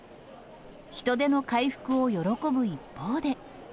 人出の回復を喜ぶ一方で。